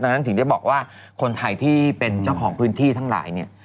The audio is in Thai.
ดังนั้นถึงได้บอกว่าคนไทยที่เป็นเจ้าของพื้นที่ทั้งหลายเนี่ย